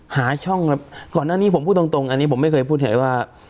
หาช่องก่อนหน้านี้ผมพูดตรงอันนี้ผมไม่เคยพูดเฉยว่า